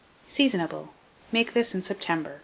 Seasonable. Make this in September.